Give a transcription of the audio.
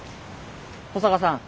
保坂さん